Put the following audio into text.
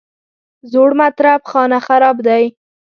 زوړ مطرب خانه خراب دی.